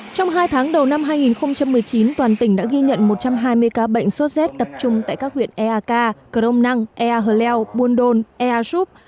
trong hai tháng đầu năm hai nghìn một mươi chín toàn tỉnh đã ghi nhận một trăm hai mươi ca bệnh sốt rét tập trung tại các huyện eak crom năng ea hờ leo buôn đôn ea súp